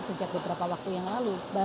sejak beberapa waktu yang lalu